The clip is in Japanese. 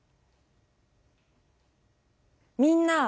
みんな。